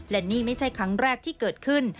และนี่ไม่ใช่ครั้งแรกที่เกิดขึ้น